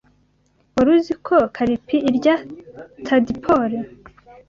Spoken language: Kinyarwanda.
Wari uzi ko karpi irya tadpole?